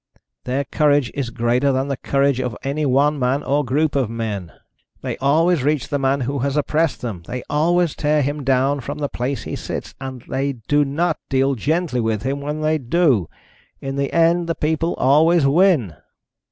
Their courage is greater than the courage of any one man or group of men. They always reach the man who has oppressed them, they always tear him down from the place he sits, and they do not deal gently with him when they do. In the end the people always win."